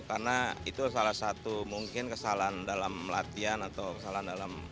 karena itu salah satu mungkin kesalahan dalam latihan atau kesalahan dalam